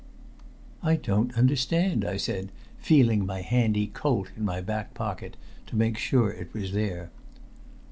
"I don't understand," I said, feeling my handy Colt in my back pocket to make sure it was there.